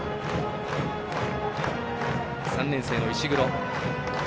３年生の石黒。